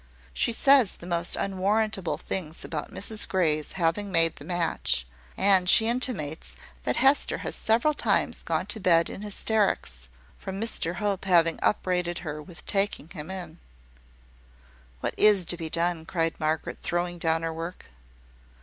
She says the most unwarrantable things about Mrs Grey's having made the match and she intimates that Hester has several times gone to bed in hysterics, from Mr Hope having upbraided her with taking him in." "What is to be done?" cried Margaret, throwing down her work.